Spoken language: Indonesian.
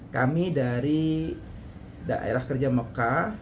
kami dari daerah kerja mekah